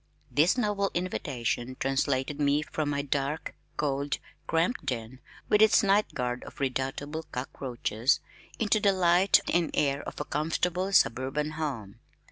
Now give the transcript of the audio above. This noble invitation translated me from my dark, cold, cramped den (with its night guard of redoubtable cockroaches) into the light and air of a comfortable suburban home.